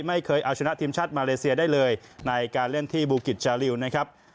ไม่เคยเอาชนะทีมชาติมาเลเซียได้เลยในการเล่นที่บูกิจชาลิวนะครับ